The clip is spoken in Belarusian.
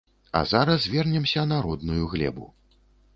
А зараз вернемся на родную глебу.